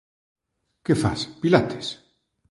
Que fas, Pilates?